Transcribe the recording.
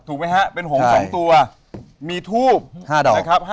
ถูกมั้ยฮะเป็นหงษ๒ตัวมีทูบ